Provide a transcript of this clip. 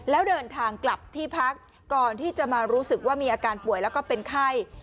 แล้วเดินทางกลับที่พักก่อนที่จะมารู้สึกว่ามีอาการป่วยแล้วก็เป็นไข้